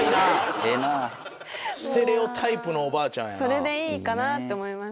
それでいいかなと思います。